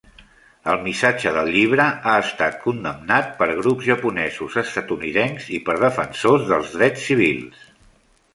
El missatge del llibre ha estat condemnat per grups japonesos estatunidencs i per defensors dels drets civils.